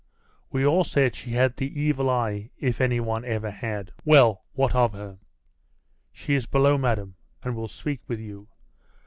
We all said she had the evil eye, if any one ever had ' 'Well, what of her?' 'She is below, madam, and will speak with you.